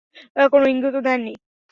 কোন ইঙ্গিতও দেননি?